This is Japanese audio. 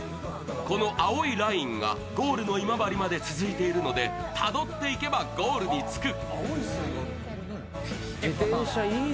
この青いラインがゴールの今治まで続いているのでたどっていけばゴールに着く。